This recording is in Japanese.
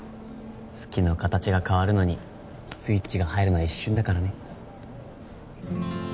好きの形が変わるのにスイッチが入るのは一瞬だからね